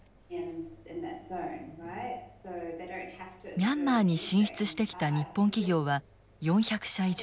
ミャンマーに進出してきた日本企業は４００社以上。